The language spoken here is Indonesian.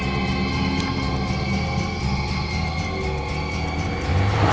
saya sudah tanya sama bapak